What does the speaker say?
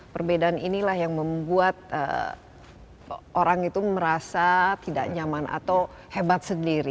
perbedaan inilah yang membuat orang itu merasa tidak nyaman atau hebat sendiri